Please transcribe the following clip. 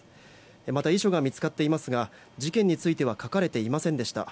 また、遺書が見つかっていますが事件については書かれていませんでした。